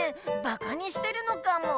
バカにしてるのかも。